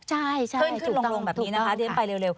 ใช่ใช่เถินขึ้นลงแบบนี้นะคะเดินไปเร็ว